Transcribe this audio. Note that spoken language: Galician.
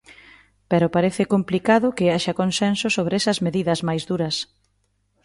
Pero parece complicado que haxa consenso sobre esas medidas máis duras.